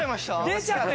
出ちゃった！？